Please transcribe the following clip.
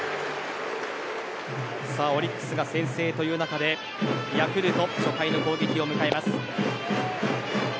オリックスが先制という中でヤクルト、初回の攻撃を迎えます。